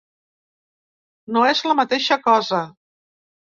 No és la mateixa cosa.